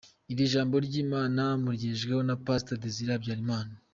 Iri jambo ry’Imana murigejejweho na Pastor Désiré Habyarimana.